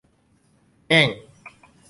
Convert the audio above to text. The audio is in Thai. แง่ง !